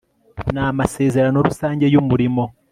n amasezerano rusange y umurimo